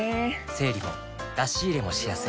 整理も出し入れもしやすい